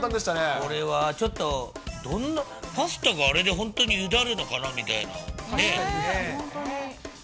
これはちょっと、どんな、パスタがあれで本当にゆでるのかなみたいな。